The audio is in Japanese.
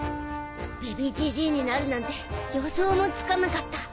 ベビジジーになるなんて予想もつかなかった。